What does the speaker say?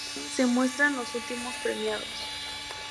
A continuación se muestran los últimos premiados.